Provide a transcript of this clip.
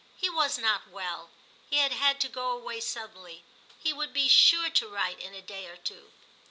He was not well ; he had had to go away suddenly ; he would be sure to write in a day or two.